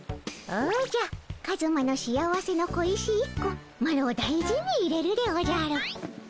おじゃカズマの幸せの小石１個マロ大事に入れるでおじゃる。